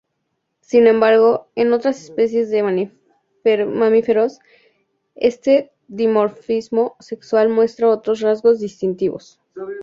Sin embargo, en otras especies de mamíferos, este dimorfismo sexual muestra otros rasgos distintivos.